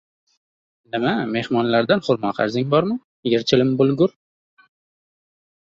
— Nima, mehmonlardan xurmo qarzing bormi, yer-chilim bo‘lgur?